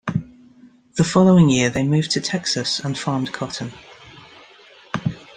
The following year they moved to Texas and farmed cotton.